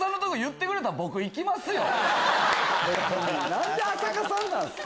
何で浅香さんなんすか？